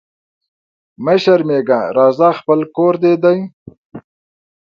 مه شرمېږه راځه خپل کور دي دی